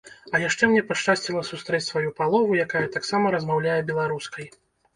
А яшчэ мне пашчасціла сустрэць сваю палову, якая таксама размаўляе беларускай.